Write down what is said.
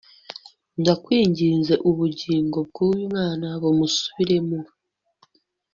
Ndakwinginze ubugingo bwuyu mwana bumusubiremo